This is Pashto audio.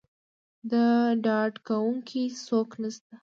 د ډاډکوونکي څوک نه شته.